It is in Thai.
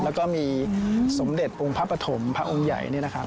แล้วก็มีสมเด็จองค์พระปฐมพระองค์ใหญ่เนี่ยนะครับ